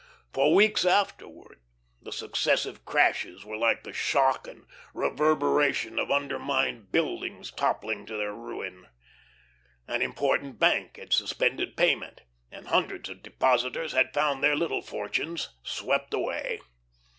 For weeks afterward, the successive crashes were like the shock and reverberation of undermined buildings toppling to their ruin. An important bank had suspended payment, and hundreds of depositors had found their little fortunes swept away.